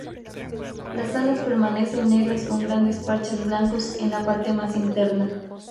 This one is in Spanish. Las alas permanecen negras con grandes parches blancos en la parte más interna.